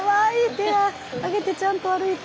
手上げてちゃんと歩いて。